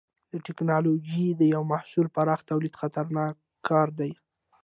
د ټېکنالوجۍ د یوه محصول پراخه تولید خطرناک کار دی.